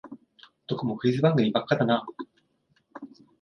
どこもクイズ番組ばっかだなあ